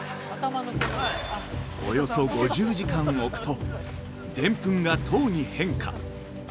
◆およそ５０時間置くとでんぷんが糖に変化。